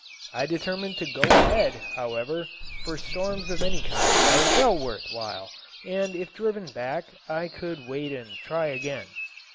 I determined to go ahead, however, for storms of any kind are well worth while, and if driven back I could wait and try again.